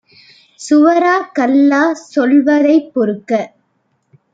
சுவரா கல்லா சொல்வதைப் பொறுக்க